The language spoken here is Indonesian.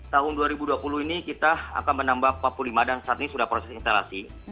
tahun dua ribu dua puluh ini kita akan menambah empat puluh lima dan saat ini sudah proses instalasi